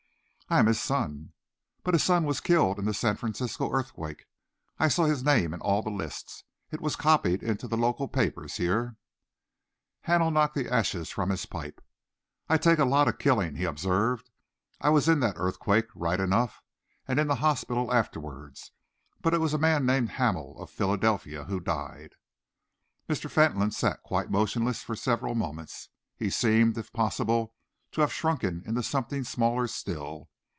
"I am his son." "But his son was killed in the San Francisco earthquake. I saw his name in all the lists. It was copied into the local papers here." Hamel knocked the ashes from his pipe. "I take a lot of killing," he observed. "I was in that earthquake, right enough, and in the hospital afterwards, but it was a man named Hamel of Philadelphia who died." Mr. Fentolin sat quite motionless for several moments. He seemed, if possible, to have shrunken into something smaller still.